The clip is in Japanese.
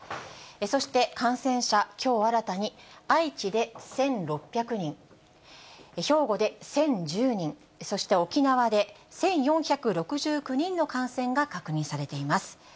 そして感染者、きょう新たに愛知で１６００人、兵庫で１０１０人、そして沖縄で１４６９人の感染が確認されています。